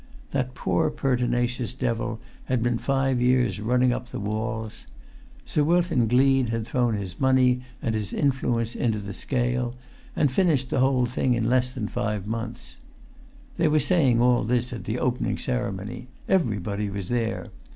That poor pertinacious devil had been five years running up the walls. Sir Wilton Gleed had thrown his money and his influence into the scale, and finished the whole thing in less than five months. They were saying all this at the opening ceremony; everybody was there.